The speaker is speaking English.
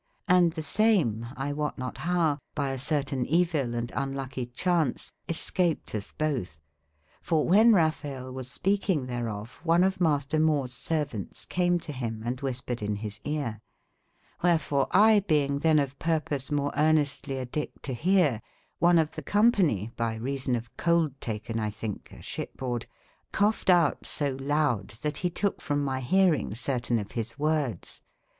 ]f^X> tbe same,! wot not bow, by a certen evell& unluckie cbaunce escaped us botbe. for wben Ra/ pbael was speaking tberof, one of Mas ter JVIores servauntes came to bim, and wbispered in bis eare.^bereforeXbeyng tben of purpose more earnestly addict to beare, one of tbe company, by reason of cold taken, X tbinke, a sbippeborde, cougbed out so loude, tbat be toke from my bearinge certen of bis wordes.